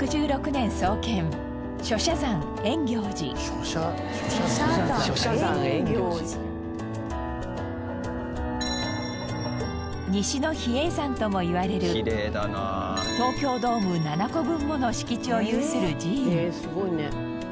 「書寫山圓教寺」「西の比叡山」ともいわれる東京ドーム７個分もの敷地を有する寺院。